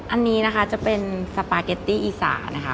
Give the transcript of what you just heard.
อันนี้นะคะจะเป็นสปาเกตตี้อีสานะคะ